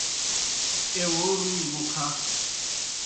ایہ وو روْئی موْ کھہ